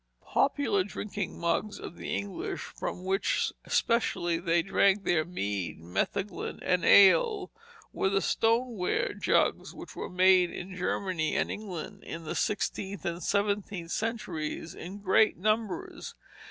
Popular drinking mugs of the English, from which specially they drank their mead, metheglin, and ale, were the stoneware jugs which were made in Germany and England, in the sixteenth and seventeenth centuries, in great numbers.